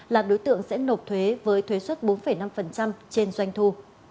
là đối tượng sẽ nộp thuế với thuế xuất bốn năm trên doanh thu